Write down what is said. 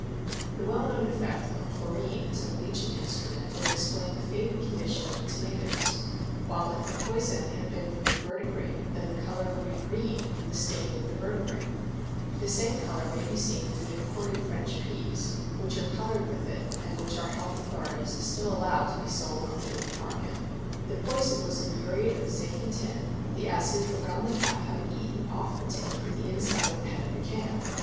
The well known effect of chlorine as a bleaching instru ment would explain the faded condition of the tomatoes, while if the poison had been from the verdigris, then the color would be green from the staining of the verdigris. The same color may be seen in the imported French peas, which are colored with it and which our health authori ties still allow to be sold in the open market. The POISONING BY CANNED GOODS. 63 poison was a muriate of zinc and tin, the acid around the cap having eaten off the tin from the inside of the head of the can.